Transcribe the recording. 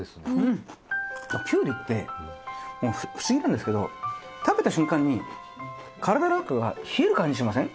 キュウリって不思議なんですけど食べた瞬間に体の中が冷える感じしません？